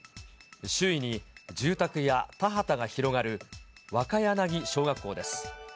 周囲に住宅や田畑が広がる若柳小学校です。